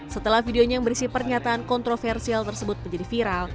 setelah videonya yang berisi pernyataan kontroversial tersebut menjadi viral